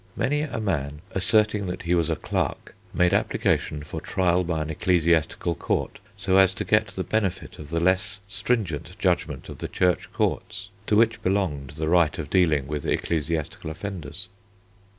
Many a man, asserting that he was a clerk, made application for trial by an ecclesiastical court, so as to get the benefit of the less stringent judgment of the Church courts, to which belonged the right of dealing with ecclesiastical offenders.